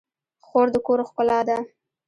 خور د کور ښکلا ده.